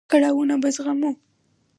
کړاوونه به زغمو.